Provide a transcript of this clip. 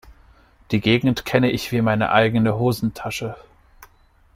Die Gegend kenne ich wie meine eigene Hosentasche.